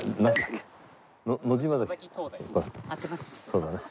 そうだね。